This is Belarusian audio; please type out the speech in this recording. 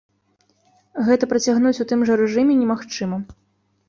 Гэта працягнуць у тым жа рэжыме немагчыма.